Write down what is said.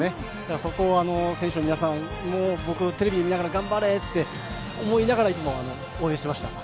そこを選手の皆さん、テレビ見ながら頑張れーって思いながらいつも応援していました。